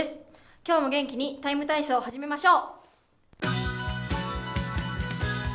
今日も元気に「ＴＩＭＥ，体操」始めましょう。